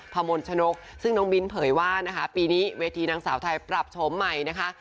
พมนต์ชนกซึ่งน้องมิ้นเผยว่านะคะปีนี้เวทีนางสาวไทยปรับโฉมใหม่นะคะ